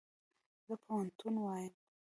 زه پوهنتون وایم